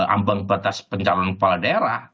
ambang batas pencalon kepala daerah